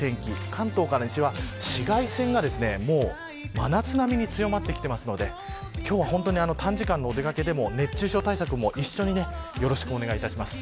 関東から西は、紫外線が真夏並みに強まってきているので今日は短時間のお出掛けでも熱中症対策も一緒によろしくお願いします。